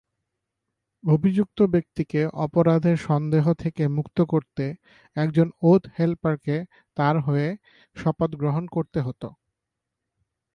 অভিযুক্ত ব্যক্তিকে অপরাধের সন্দেহ থেকে মুক্ত করতে একজন ওথ-হেল্পারকে তার হয়ে শপথ গ্রহণ করতে হত।